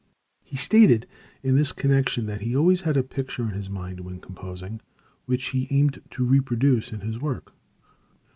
He stated in this connection that he always had a picture in his mind when composing, which he aimed to reproduce in his work.